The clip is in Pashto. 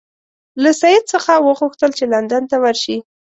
له سید څخه وغوښتل چې لندن ته ورشي.